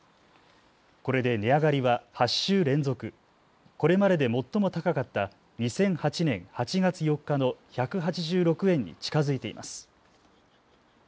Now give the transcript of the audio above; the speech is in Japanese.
これで値上がりは８週連続、これまでで最も高かった２００８年８月４日の１８６円に近づいています。